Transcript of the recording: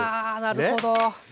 なるほど。